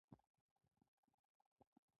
د همدې رسنیو ټولنیز چلن در یادوم.